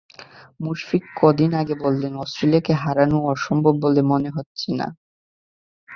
মুশফিক কদিন আগে বললেন, অস্ট্রেলিয়াকে হারানো অসম্ভব বলে মনে করছেন না।